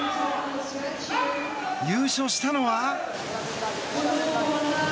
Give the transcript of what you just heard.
優勝したのは。